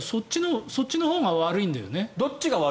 そっちのほうが悪いんだよね。